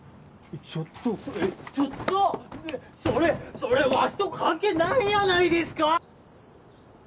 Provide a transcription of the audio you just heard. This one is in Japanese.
ちょっとちょっとそれそれわしと関係ないやないですか